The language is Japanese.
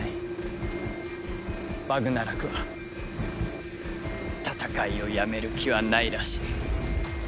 バグナラクは戦いをやめる気はないらしい。